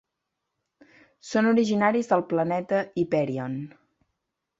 Són originaris del planeta Hyperion.